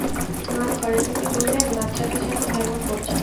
মা ঘরে ঢুকে বললেন, বাচ্চাটা যেন কেমন করছে।